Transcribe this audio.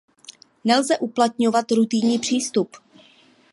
Nelze uplatňovat rutinní přístup.